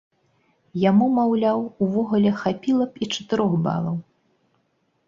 Яму, маўляў, увогуле хапіла б і чатырох балаў.